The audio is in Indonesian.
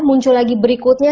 muncul lagi berikutnya